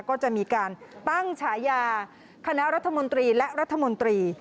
ก็จะมีการตั้งฉายาคณะรัฐมนตรีและรัฐมนตรี